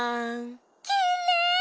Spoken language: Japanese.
きれい！